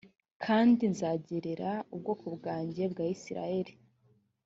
kandi nzagerera ubwoko bwanjye bwa isirayeli